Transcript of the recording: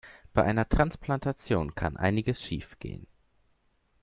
Bei einer Transplantation kann einiges schiefgehen.